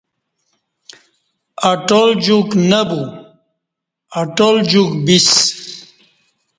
اٹال جوک نہ بو (اٹال جوک بسہ)